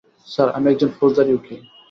Sir, আমি একজন ফৌজদারী উকিল।